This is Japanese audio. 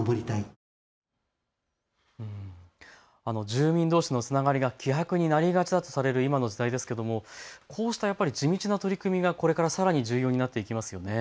住民どうしのつながりが希薄になりがちだとされる今の時代ですけれども、こうしたやっぱり地道な取り組みがこれからさらに重要になっていきますよね。